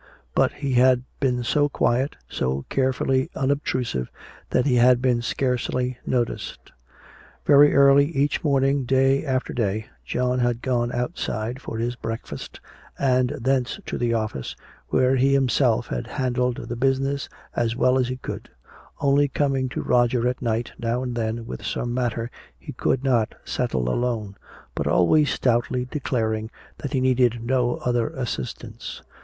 But he had been so quiet, so carefully unobtrusive, that he had been scarcely noticed. Very early each morning, day after day, John had gone outside for his breakfast and thence to the office where he himself had handled the business as well as he could, only coming to Roger at night now and then with some matter he could not settle alone, but always stoutly declaring that he needed no other assistance.